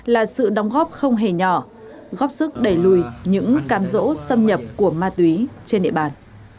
là sự đóng góp không hề nhỏ góp sức đẩy lùi những cam rỗ xâm nhập của ma túy trên địa bàn